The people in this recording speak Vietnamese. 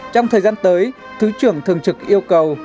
trong thời gian tới thứ trưởng thường trực yêu cầu